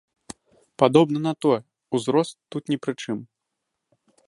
Падобна на тое, узрост тут ні пры чым.